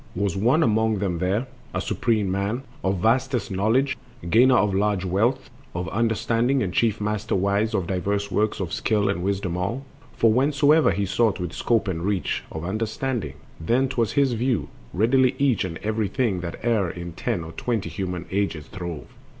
Was one among them there, a supreme man Of vastest knowledge, gainer of large wealth Of understanding, and chief master wise Of diverse works of skill and wisdom all; For whensoe'er he sought with scope and reach Of understanding, then 'twas his to view Readily each and every thing that e'er In ten or twenty human ages throve.